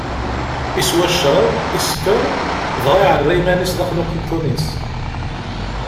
Iswa ccṛab, iskeṛ, dɣa iɛerra iman-is daxel n uqiḍun-is.